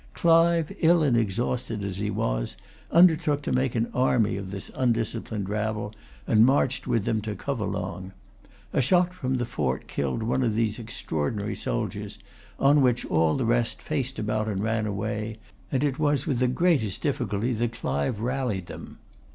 Clive, ill and exhausted as he was, undertook to make an army of this undisciplined rabble, and marched with them to Covelong. A shot from the fort killed one of these extraordinary soldiers; on which all the rest faced about and ran away, and it was with the greatest difficulty that Clive rallied them.